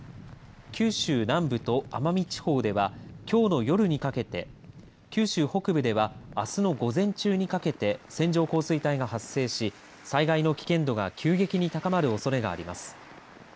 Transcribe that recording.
九州南部と奄美地方ではきょうの夜にかけて九州北部ではあすの午前中にかけて線状降水帯が発生し災害の危険度が急激に高まるおそれがあります。